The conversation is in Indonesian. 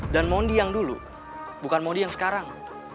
dan mondi yang dulu bukan mondi yang sekarang